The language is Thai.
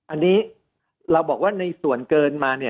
อันนี้เราบอกว่าในส่วนเกินมาเนี่ย